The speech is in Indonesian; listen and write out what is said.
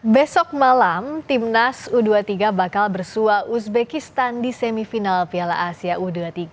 besok malam timnas u dua puluh tiga bakal bersua uzbekistan di semifinal piala asia u dua puluh tiga